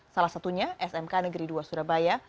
salah satunya smk negeri dua surabaya